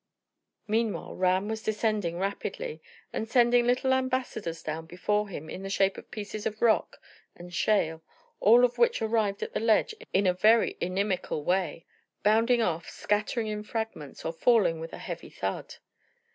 Meanwhile Ram was descending rapidly, and sending little ambassadors down before him in the shape of pieces of rock and shale, all of which arrived at the ledge in a very inimical way, bounding off, scattering in fragments, or falling with a heavy thud.